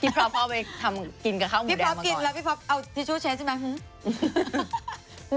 พี่พ๊อปกินแล้วพี่พ๊อปเอาทิชชูเช็ดใช่ไหม